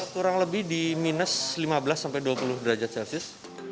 kurang lebih di minus lima belas sampai dua puluh derajat celcius